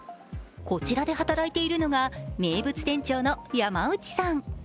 こちらで働いているのが名物店長の山内さん。